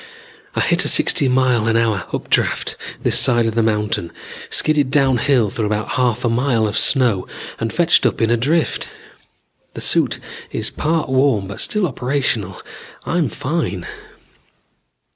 I hit a sixty mile an hour updraft this side of the mountain, skidded downhill through about half a mile of snow and fetched up in a drift. The suit is part worn but still operational. I'm fine.